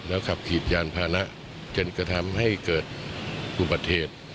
ขับขี่ยานพานะจนกระทำให้เกิดอุบัติเหตุ